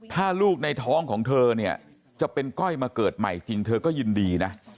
ถ้าลูกในท้องของเธอเนี่ยจะเป็นก้อยมาเกิดใหม่จริงเธอก็ยินดีนะ